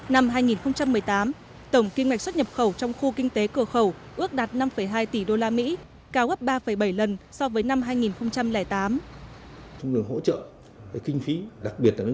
năm hai nghìn một mươi tám tổng kinh mạch xuất nhập khẩu trong khu kinh tế cửa khẩu ước đạt năm hai tỷ usd